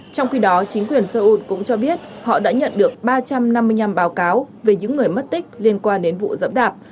trong khi đó chính quyền seoul cũng cho biết họ đã nhận được ba trăm năm mươi năm báo cáo về những người mất tích liên quan đến vụ dẫm đạp